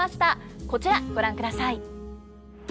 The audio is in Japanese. こちらご覧ください。